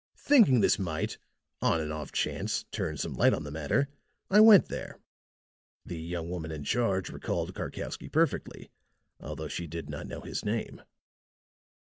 Thinking this might, on an off chance, turn some light on the matter, I went there. The young woman in charge recalled Karkowsky perfectly, although she did not know his name.